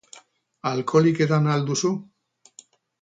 Alkoholik edan al duzu?